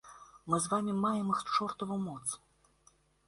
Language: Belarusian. Мы з вамі маем іх чортаву моц.